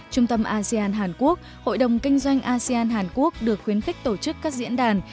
trung tâm asean hàn quốc hội đồng kinh doanh asean hàn quốc được khuyến khích tổ chức các diễn đàn